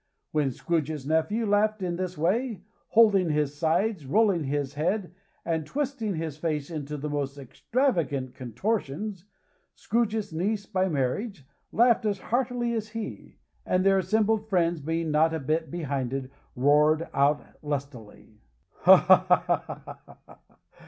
When Scrooge's nephew laughed in this way, holding his sides, rolling his head, and twisting his face into the most extravagant contortions, Scrooge's niece, by marriage, laughed as heartily as he. And their assembled friends being not a bit behindhand, roared out lustily. "Ha, ha! Ha, ha, ha, ha!"